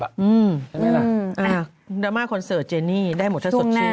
ใช่ไหมล่ะดราม่าคอนเสิร์ตเจนี่ได้หมดถ้าสดชื่น